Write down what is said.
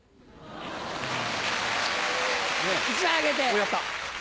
おやった！